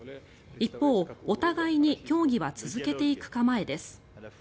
一方、お互いに協議は続けていく構えです。